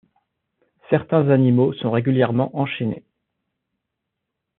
Certains animaux sont régulièrement enchaînés.